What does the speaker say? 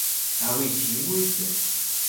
А вы чьи будете?..